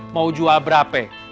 mau jual berapa